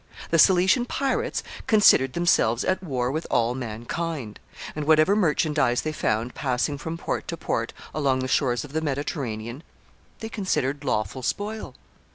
The Cilician pirates considered themselves at war with all mankind, and, whatever merchandise they found passing from port to port along the shores of the Mediterranean, they considered lawful spoil.